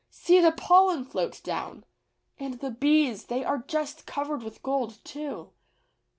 "See the pollen float down! And the bees — they are just covered with gold, too."